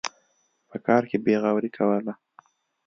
په کار کې بېغوري کوله.